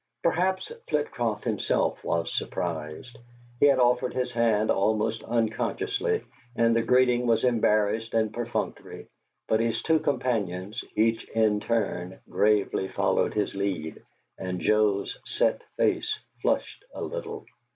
Perhaps Flitcroft himself was surprised; he had offered his hand almost unconsciously, and the greeting was embarrassed and perfunctory; but his two companions, each in turn, gravely followed his lead, and Joe's set face flushed a little.